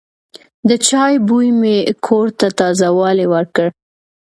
د چای بوی مې کور ته تازه والی ورکړ.